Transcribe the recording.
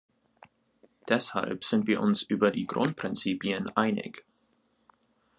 Deshalb sind wir uns über die Grundprinzipien einig.